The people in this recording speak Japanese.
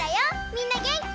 みんなげんき？